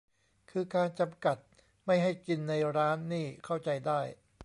คือการจำกัดไม่ให้กินในร้านนี่เข้าใจได้